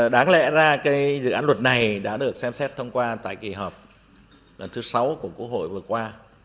đáng lẽ ra dự án luật này đã được xem xét thông qua tại kỳ họp lần thứ sáu của quốc hội vừa qua